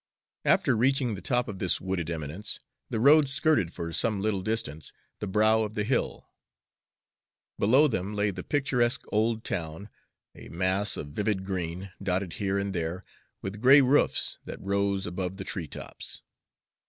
After reaching the top of this wooded eminence, the road skirted for some little distance the brow of the hill. Below them lay the picturesque old town, a mass of vivid green, dotted here and there with gray roofs that rose above the tree tops.